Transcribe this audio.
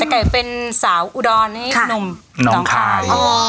แต่ไก่เป็นสาวอุดรให้นมน้องคาย